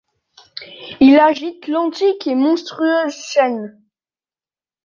Il agite l'antique et monstrueuse chaîne